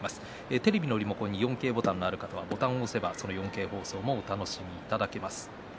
テレビのリモコンに４Ｋボタンがある方は、そのボタンを押せば４Ｋ放送をお楽しみいただけます。